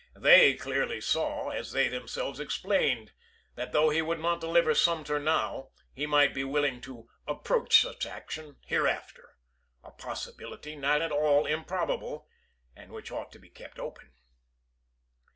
They clearly saw, as they them Trescott to selves explained, that though he would not deliver Pickens, *'° D^south °' Sumter now, he might be willing to " approach such CHou2a action " hereafter, " a possibility not at all improb able, and which ought to be kept open."